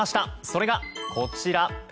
それが、こちら。